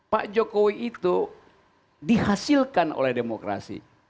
pak jokowi itu dihasilkan oleh demokrasi